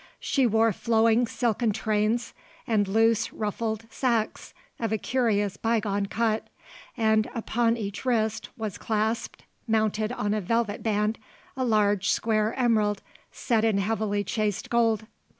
She wore flowing silken trains and loose ruffled sacques of a curious bygone cut, and upon each wrist was clasped, mounted on a velvet band, a large square emerald, set in heavily chased gold.